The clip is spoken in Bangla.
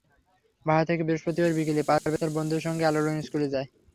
বাসা থেকে বৃহস্পতিবার বিকেলে পারভেজ তাঁর বন্ধুদের সঙ্গে আলোড়ন স্কুলে যায়।